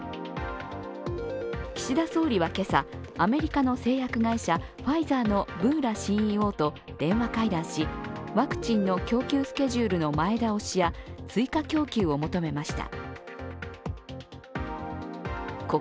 岸田総理は今朝、アメリカの製薬会社、ファイザーのブーラＣＥＯと電話会談し、ワクチンの供給スケジュールの前倒しや追加供給を求めました。